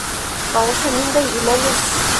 Тауышы ниндәй имәнес!